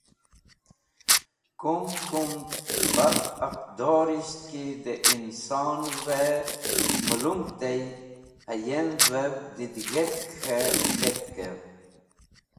Kum kumd baf aqdorisht ki dẽinson’v-e mulung tey, hayem’vev didig̃hetk k̃he k̃hetkev.